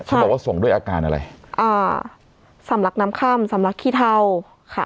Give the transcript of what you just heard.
บอกว่าส่งด้วยอาการอะไรอ่าสำลักน้ำค่ำสำลักขี้เทาค่ะ